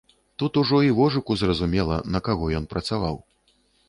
Тут ужо і вожыку зразумела, на каго ён працаваў.